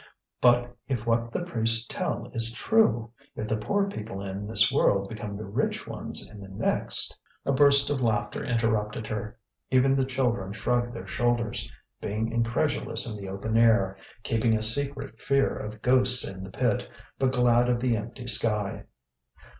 "But if what the priests tell is true, if the poor people in this world become the rich ones in the next!" A burst of laughter interrupted her; even the children shrugged their shoulders, being incredulous in the open air, keeping a secret fear of ghosts in the pit, but glad of the empty sky.